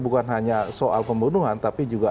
bukan hanya soal pembunuhan tapi juga